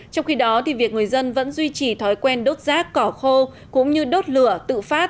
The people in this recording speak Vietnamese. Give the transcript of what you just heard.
trong khi đó việc người dân vẫn duy trì thói quen đốt rác cỏ khô cũng như đốt lửa tự phát